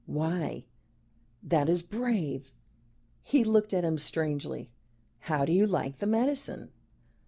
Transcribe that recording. Why that is brave " he looked at him strangely, "How do you like the medicine?"